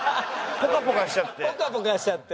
ポカポカしちゃって。